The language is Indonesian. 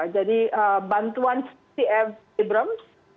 jadi bantuan stacey abrams